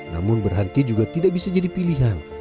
namun berhenti juga tidak bisa jadi pilihan